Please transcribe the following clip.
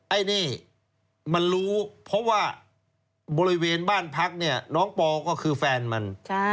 ไอ้นี่มันรู้เพราะว่าบริเวณบ้านพักเนี่ยน้องปอก็คือแฟนมัน